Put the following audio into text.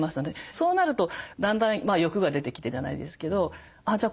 そうなるとだんだん欲が出てきてじゃないですけどじゃあ